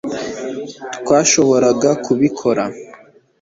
Twashoboraga kubikora